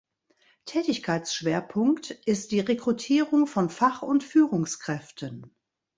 Tätigkeitsschwerpunkt ist die Rekrutierung von Fach- und Führungskräften.